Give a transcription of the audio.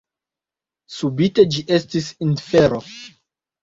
Subite ĝi estis infero.